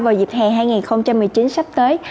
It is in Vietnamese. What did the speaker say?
vào dịp hè hai nghìn một mươi chín sắp tới